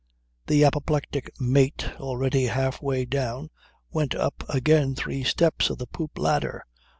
The apoplectic mate, already half way down, went up again three steps of the poop ladder.